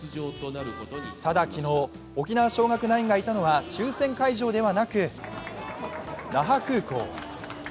ただ、昨日、沖縄尚学ナインがいたのは抽選会場ではなく那覇空港。